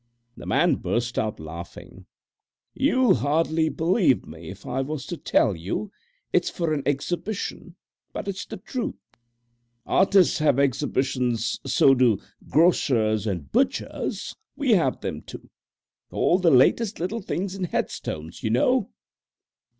The man burst out laughing. "You'd hardly believe me if I was to tell you it's for an exhibition, but it's the truth. Artists have exhibitions: so do grocers and butchers; we have them too. All the latest little things in headstones, you know."